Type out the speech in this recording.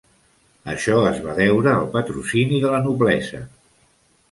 Això es va deure al patrocini de la noblesa.